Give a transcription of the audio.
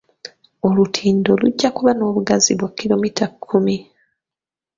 Olutindo lujja kuba n'obugazi bwa kkiromita kkumi.